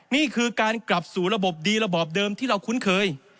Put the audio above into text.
นี่คือการกลับสู่ระบบดีระบอบเดิมที่เราคุ้นเคย